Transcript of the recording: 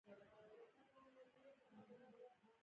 مځکه له خپلو اولادونو پاملرنه غواړي.